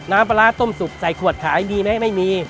น้ำปลาร้าต้มสุกใส่ขวดขายดีไหมไม่มี